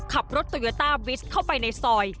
ขับรถโตโยต้าบิสเข้าไปในซอย